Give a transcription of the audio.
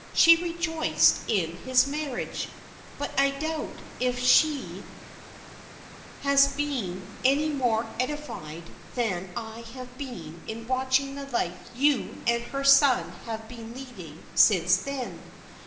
She rejoiced in his marriage, but I doubt if she has been any more edified than I have been in watching the life you and her son have been leading since then.